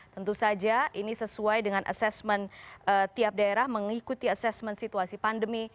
tentu saja ini sesuai dengan asesmen tiap daerah mengikuti asesmen situasi pandemi